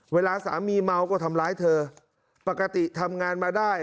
เวลาสามีเมาก็ทำร้ายเธอปกติทำงานมาได้